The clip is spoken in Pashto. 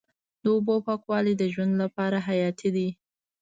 د اوبو پاکوالی د ژوند لپاره حیاتي دی.